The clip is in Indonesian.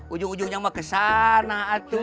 ujung ujungnya mau ke sana